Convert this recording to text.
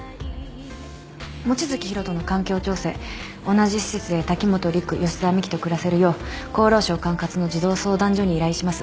望月博人の環境調整同じ施設で滝本陸吉沢未希と暮らせるよう厚労省管轄の児童相談所に依頼します。